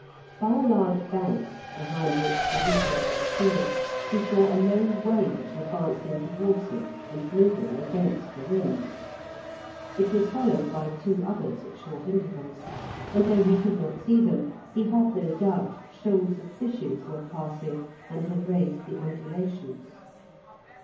By a large bank, behind which the ripple was stilled, he saw a low wave advancing towards him, and moving against the wind. It was followed by two others at short intervals, and though he could not see them, he had no doubt shoals of fishes were passing and had raised the undulations.